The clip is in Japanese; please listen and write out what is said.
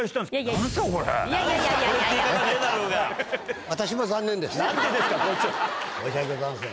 申し訳ございません。